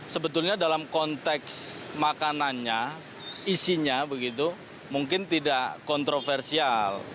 sebetulnya dalam konteks makanannya isinya begitu mungkin tidak kontroversial